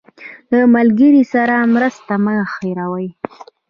له ملګري سره مرسته مه هېروه.